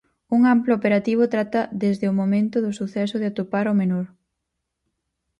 Un amplo operativo trata desde o momento do suceso de atopar o menor.